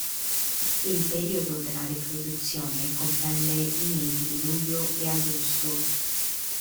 Il periodo della riproduzione comprende i mesi di luglio e agosto.